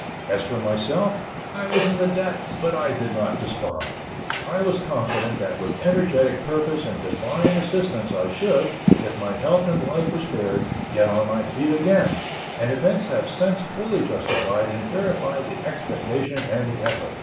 As for myself, I was in the depths, but I did not despond. I was confident that with energetic purpose and divine assistance I should, if my health and life were spared, get on my feet again; and events have since fully justified and verified the expectation and the effort.